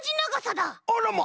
あらま！